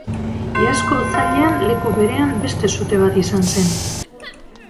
Iazko otsailean leku berean beste sute bat izan zen.